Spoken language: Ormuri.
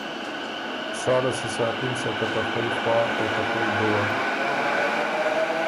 ساله سو ساتِم سکه ته خوئ خوار او ته خوئ دُوّه“